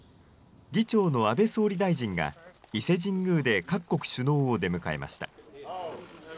議長の安倍総理大臣が、伊勢神宮で各国首脳を出迎えました。